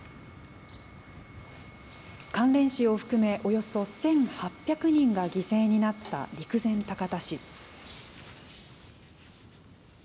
関連死を含めおよそ１８００人が犠牲になった陸前高田市。